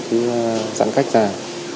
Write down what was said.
cứ giãn cách ra